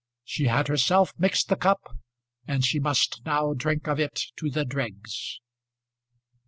She had herself mixed the cup, and she must now drink of it to the dregs.